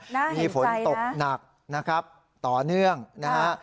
มีฝนตกหนักนะครับต่อเนื่องนะฮะ